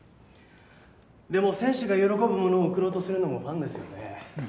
でも選手が喜ぶものを贈ろうとするのもファンですよね。